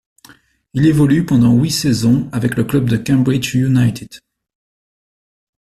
Il évolue pendant huit saisons avec le club de Cambridge United.